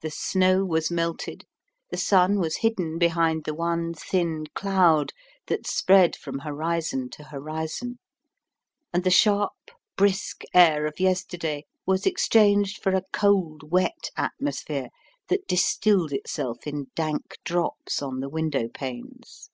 The snow was melted, the sun was hidden behind the one thin cloud that spread from horizon to horizon, and the sharp, brisk air of yesterday was exchanged for a cold, wet atmosphere, that distilled itself in dank drops on the window panes.